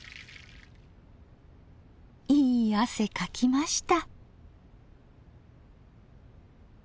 いい汗かきました。